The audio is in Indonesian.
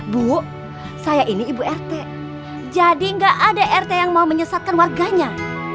bu saya ini ibu rt jadi nggak ada rt yang mau menyesatkan warganya